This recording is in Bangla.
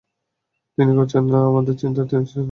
তিনি করছেন না আমাদের চিন্তা, নিন চা পান করেন, আরে নেন না।